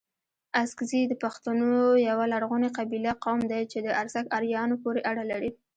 اڅکزي دپښتونو يٶه لرغوني قبيله، قوم دئ چي د ارڅک اريانو پوري اړه لري